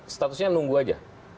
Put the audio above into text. statusnya menunggu saja